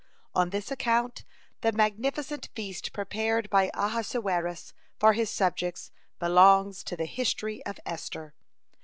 On this account the magnificent feast prepared by Ahasuerus for his subjects belongs to the history of Esther.